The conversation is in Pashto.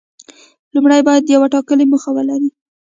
لومړی باید یوه ټاکلې موخه ولري.